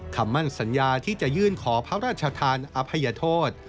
คำมั่นสัญญาที่จะยื่นขอพระราชทานอภัยโทษ